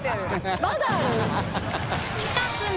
まだあるの？